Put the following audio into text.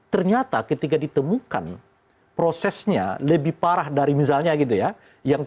ternyata ketika ditemukan prosesnya lebih parah dari misalnya gitu ya